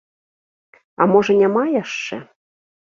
А можа, няма яшчэ.